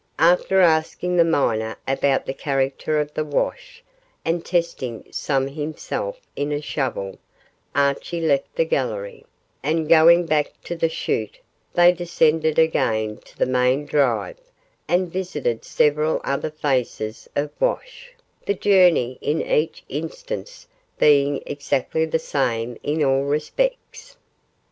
After asking the miner about the character of the wash, and testing some himself in a shovel, Archie left the gallery, and going back to the shoot, they descended again to the main drive, and visited several other faces of wash, the journey in each instance being exactly the same in all respects.